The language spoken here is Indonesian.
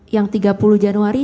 yang tiga puluh januari